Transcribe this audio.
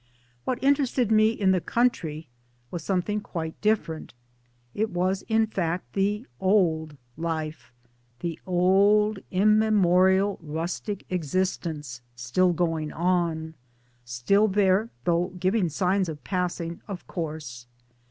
TOiat interested me in the country was something] quite different. It was in fact the Old Lifethe old immemorial rustic existence still going on, still there though giving signs of passing of course.